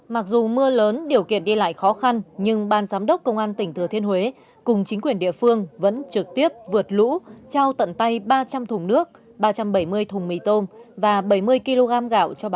mặc dù mưa lớn điều kiện đi lại khó khăn nhưng ban giám đốc công an tỉnh thừa thiên huế cùng chính quyền địa phương vẫn trực tiếp vượt lũ trao tận tay ba trăm linh thùng nước ba trăm bảy mươi thùng mì tôm và bảy mươi kg gạo